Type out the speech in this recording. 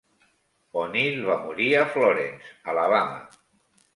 O'Neal va morir a Florence, Alabama.